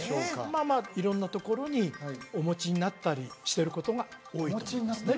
まあまあ色んなところにお持ちになったりしてることが多いと思いますね